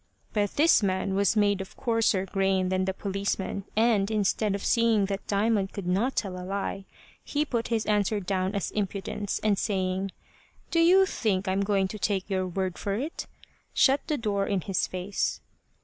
But this man was made of coarser grain than the policeman, and, instead of seeing that Diamond could not tell a lie, he put his answer down as impudence, and saying, "Do you think I'm going to take your word for it?" shut the door in his face.